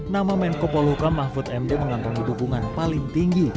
nama menko polhukam mahfud md mengantongi dukungan paling tinggi